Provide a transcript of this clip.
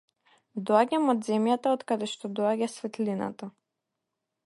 Доаѓам од земјата од каде што доаѓа светлината.